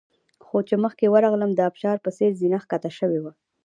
خو چې مخکې ورغلم د ابشار په څېر زینه ښکته شوې وه.